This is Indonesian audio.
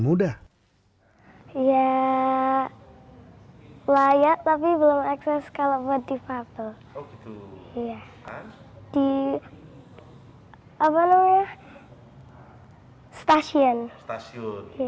mudah ya layak tapi belum akses kalau buat di papel oh iya di abangnya stasiun stasiun